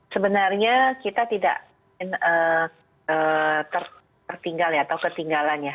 sebenarnya kita tidak tertinggal ya atau ketinggalan ya